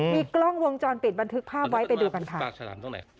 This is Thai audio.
มีกล้องวงจรปิดบันทึกภาพไว้ไปดูกันค่ะ